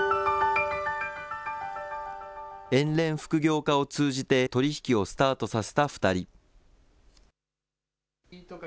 遠恋複業課を通じて取り引きをスタートさせた２人。